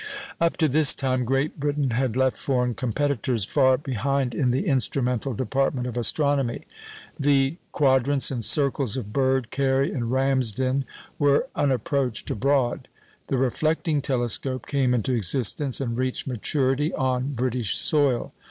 Up to this time, Great Britain had left foreign competitors far behind in the instrumental department of astronomy. The quadrants and circles of Bird, Cary and Ramsden were unapproached abroad. The reflecting telescope came into existence and reached maturity on British soil.